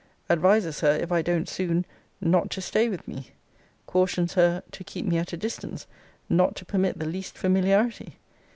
Advises her, if I don't soon, 'not to stay with me.' Cautions her, 'to keep me at a distance; not to permit the least familiarity.'